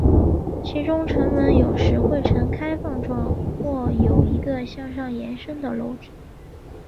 其中城门有时会呈开放状或有一个向上延伸的楼梯。